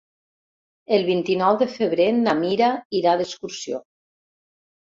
El vint-i-nou de febrer na Mira irà d'excursió.